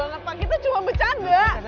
kamu kemana lu